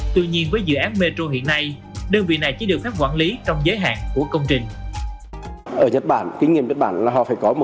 tuy nhiên với dự án metro hiện nay đơn vị này chỉ được phép quản lý trong giới hạn của công trình